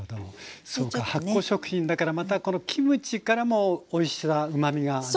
そうか発酵食品だからまたこのキムチからもおいしさうまみがね。